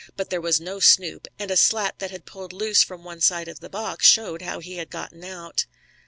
But there was no Snoop, and a slat that had pulled loose from one side of the box showed how he had gotten out.